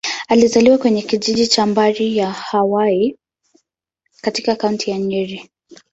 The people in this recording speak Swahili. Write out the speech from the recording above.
Alizaliwa kwenye kijiji cha Mbari-ya-Hwai, katika Kaunti ya Nyeri.